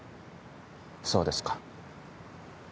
そうですか。